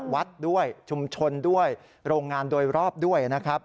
วัดด้วยชุมชนด้วยโรงงานโดยรอบด้วยนะครับ